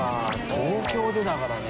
東京でだからね。